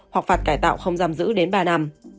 hoặc phạt cải tạo không giam giữ đến ba năm